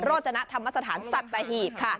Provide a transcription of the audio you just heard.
โรจณะธรรมสถานสัตตาฮีบ